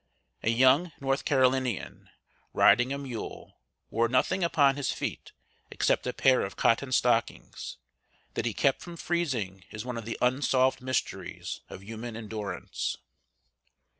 A young North Carolinian, riding a mule, wore nothing upon his feet except a pair of cotton stockings; that he kept from freezing is one of the unsolved mysteries of human endurance.